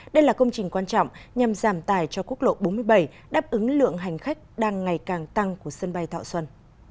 đây là công trình quan trọng nhằm giảm tài cho quốc lộ bốn mươi bảy đáp ứng lượng hành khách đang ngày càng tăng của sân bay thọ xuân